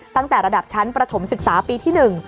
ตั้งแต่ระดับชั้นประถมศึกษาปีที่๑